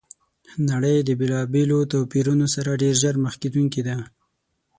نړۍ د بېلابېلو توپیرونو سره ډېر ژر مخ کېدونکي ده!